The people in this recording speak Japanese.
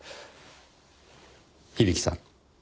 響さん。